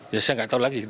ya saya gak tahu lagi